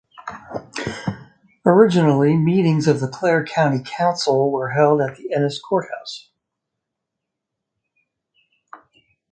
Originally meetings of Clare County Council were held at Ennis Courthouse.